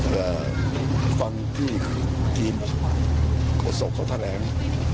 เอ่อฟังที่คือกินโอโสกเค้าแถลง